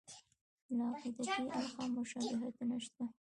له عقیدتي اړخه مشابهتونه شته.